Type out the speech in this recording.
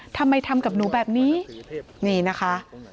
ทำไมทำกับหนูแบบนี้นี่นะคะ